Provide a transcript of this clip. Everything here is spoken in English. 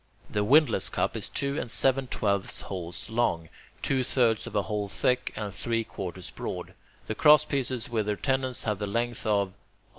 The windlass cup is two and seven twelfths holes long, two thirds of a hole thick, and three quarters broad. The crosspieces with their tenons have the length of...